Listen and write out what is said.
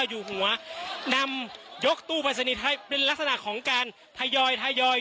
อยู่หัวนำยกตู้ปริศนีย์เป็นลักษณะของการทยอยทยอย